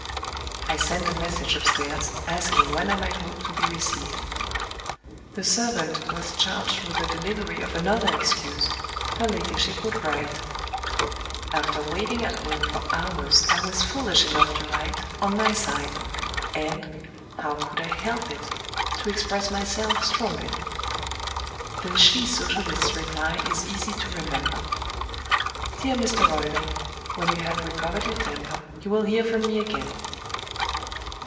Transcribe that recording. I sent a message upstairs, asking when I might hope to be received. The servant was charged with the delivery of another excuse: her ladyship would write. After waiting at home for hours I was foolish enough to write, on my side; and (how could I help it?) to express myself strongly. The she socialist's reply is easy to remember: "Dear Mr. Roylake, when you have recovered your temper, you will hear from me again."